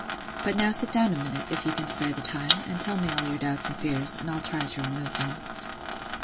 But now sit down a minute, if you can spare the time, and tell me all your doubts and fears; and I'll try to remove them.